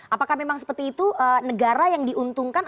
apakah memang seperti itu negara yang diuntungkan